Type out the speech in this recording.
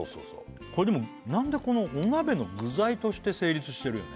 これでも何でこのお鍋の具材として成立してるよね